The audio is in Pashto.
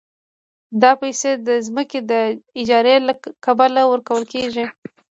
دا پیسې د ځمکې د اجارې له کبله ورکول کېږي